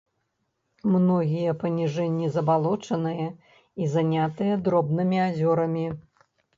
Многія паніжэнні забалочаныя і занятыя дробнымі азёрамі.